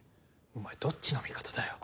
お前どっちの味方だよ。